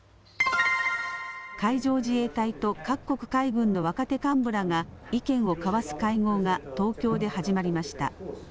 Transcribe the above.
海上自衛隊と各国海軍の若手幹部らが意見を交わす会合が東京で始まりました。